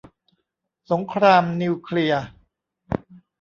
สงครามนิวเคลียร์